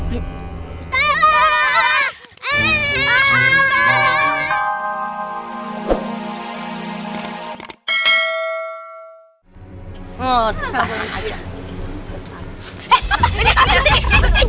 oh sekeluar belakang aja